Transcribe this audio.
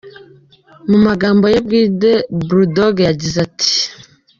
Mu magambo ye bwite, Bulldog yagize ati:.